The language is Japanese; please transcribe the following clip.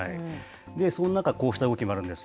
そんな中、こうした動きもあるんです。